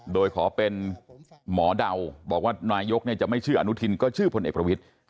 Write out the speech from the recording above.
โดยขอเป็นหมอเดาว่านายกเนี่ยจะไม่เชื่ออนุทินก็เชื่อพลเอกณภวิต